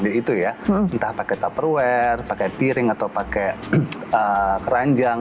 jadi itu ya entah pakai tupperware pakai piring atau pakai keranjang